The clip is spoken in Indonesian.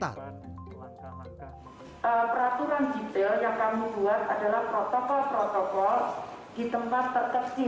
peraturan detail yang kami buat adalah protokol protokol di tempat terkecil